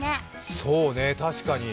そうね、確かに。